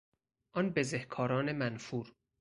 آن بزهکاران منفور